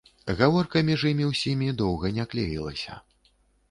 Гаворка між імі ўсімі доўга не клеілася.